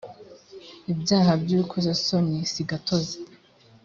ibyaha by ‘urukozasoni sigatozi.